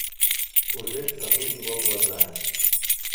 Уже в саду его глаза.